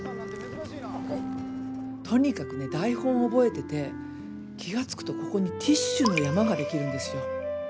とにかくね台本覚えてて気が付くとここにティッシュの山ができるんですよ。